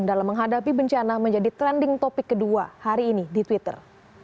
dalam menghadapi bencana menjadi trending topic kedua hari ini di twitter